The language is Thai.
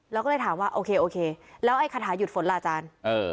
แล้วก็เลยถามว่าโอเคโอเคแล้วไอ้คาถาหยุดฝนล่ะอาจารย์